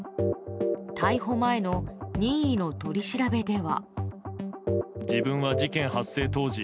逮捕前の任意の取り調べでは。